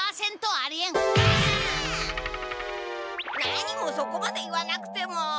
なにもそこまで言わなくても。